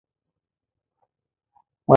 د هغه د دې فطري کار لامل روښانه نه شو